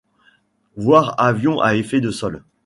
Voir avions à effet de sol.